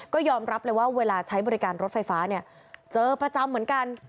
ก็ยอมรับเลยว่าเวลาใช้บริการรถไฟฟ้าเนี่ยเจอประจำเหมือนกัน